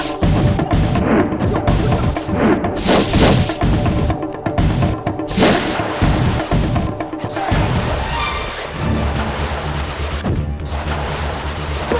menjaga teman teman lagu yang dibawa anda